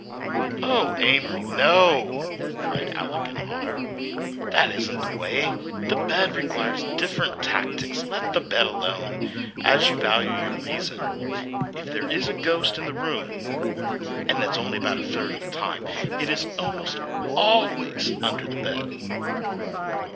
"Oh, Amory, no!" cried Alec in horror. "That isn't the way—the bed requires different tactics—let the bed alone, as you value your reason—if there is a ghost in the room and that's only about a third of the time, it is almost always under the bed."